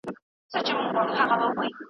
بې له قدرته سیاست ناسونی سوی وو.